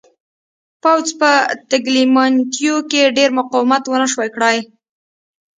پوځ په تګلیامنیتو کې ډېر مقاومت ونه شوای کړای.